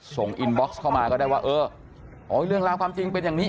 ส่งอินบ็อกซ์เข้ามาก็ได้ว่าเออเรื่องราวความจริงเป็นอย่างนี้